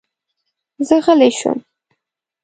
زه غلی شوم.